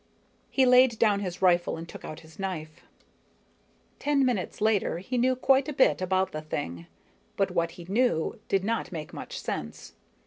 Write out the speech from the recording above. He laid down his rifle and took out his knife. Ten minutes later, he knew quite a bit about the thing, but what he knew did not make much sense.